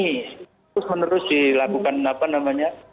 terus menerus dilakukan apa namanya